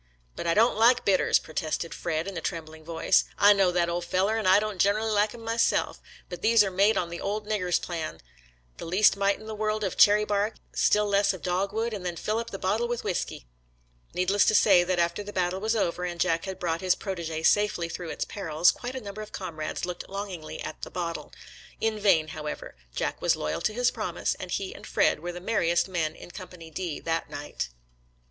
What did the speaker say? "But I don't like bitters," protested Fred in a trembling voice. "I know that, ole feller, an' I don't generally like 'em myself, but these are made on the old nigger's plan — the least mite in the world of cherry bark, still less of dogwood, and then fill up the bottle with whisky." Needless to say that after the battle was over and Jack had brought his prot6g6 safely through its perils, quite a number of comrades looked longingly at the bottle. In vain, however; Jack was loyal to his promise, and he and Fred were the merriest men in Company D that night.